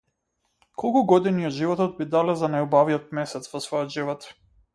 Колку години од животот би дале за најубавиот месец во својот живот?